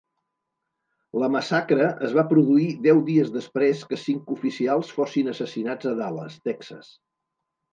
La massacre es va produir deu dies després que cinc oficials fossin assassinats a Dallas, Texas.